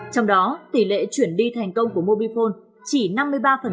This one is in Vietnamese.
trong đó tỷ lệ chuyển đi thành công của mobifone